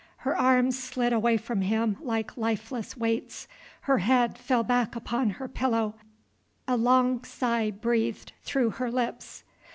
Her arms slid away from him like lifeless weights, her head fell back upon her pillow, along sigh breathed through her lips.